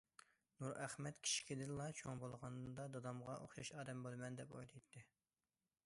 نۇرئەخمەت كىچىكىدىنلا:‹‹ چوڭ بولغاندا دادامغا ئوخشاش ئادەم بولىمەن››، دەپ ئويلايتتى.